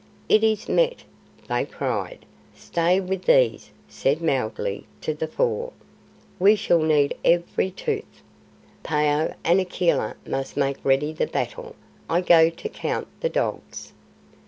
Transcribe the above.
"It is met!" they cried. "Stay with these," said Mowgli to the Four. "We shall need every tooth. Phao and Akela must make ready the battle. I go to count the dogs."